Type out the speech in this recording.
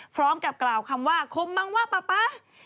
พร้อมกับกล่าวคำว่าคมมังว่าป๊าป๊า